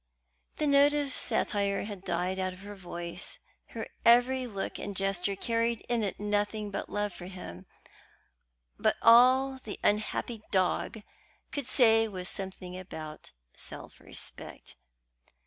The note of satire had died out of her voice; her every look and gesture carried in it nothing but love for him; but all the unhappy dog could say was something about self respect.